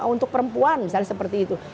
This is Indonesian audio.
untuk perempuan misalnya seperti itu